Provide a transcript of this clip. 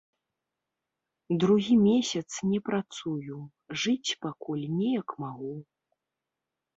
Другі месяц не працую, жыць пакуль неяк магу.